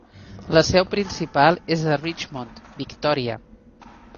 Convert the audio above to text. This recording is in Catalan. La seu principal és a Richmond, Victòria.